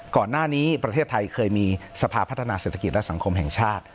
ก่อนหน้านี้ประเทศไทยเคยมีสภาพัฒนาเศรษฐกิจและสังคมแห่งชาติ